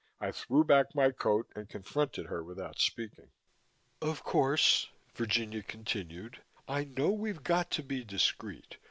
I threw back my coat and confronted her without speaking. "Of course," Virginia continued, "I know we've got to be discreet.